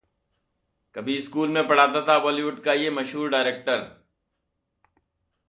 कभी स्कूल में पढ़ाता था बॉलीवुड का ये मशहूर डायरेक्टर